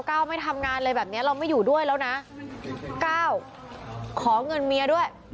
ไม่ทำงานเลยแบบเนี้ยเราไม่อยู่ด้วยแล้วนะเก้าขอเงินเมียด้วย